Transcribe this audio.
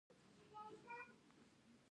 هغه خو به دا هم وييل چې